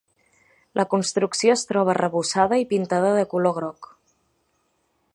La construcció es troba arrebossada i pintada de color groc.